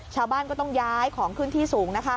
ชาวบ้านก็ต้องย้ายของขึ้นที่สูง